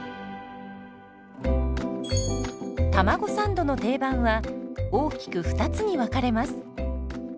たまごサンドの定番は大きく２つに分かれます。